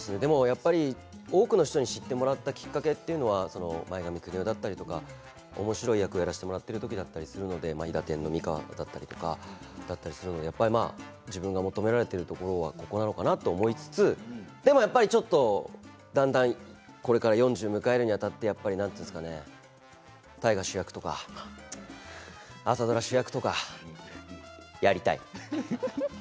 多くの人に知ってもらったきっかけは前髪クネ男だったりおもしろい役をやらせてもらった時だったりするので「いだてん」の美川だったり自分が求められているところはここなのかなと思いつつでもちょっとだんだんこれから４０を迎えるにあたって大河の主役とか朝ドラの主役とかやりたい。